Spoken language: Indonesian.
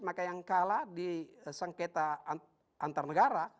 maka yang kalah di sengketa antar negara